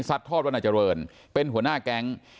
ซัทธอดวรรณเจริญเป็นหัวหน้าแก๊ง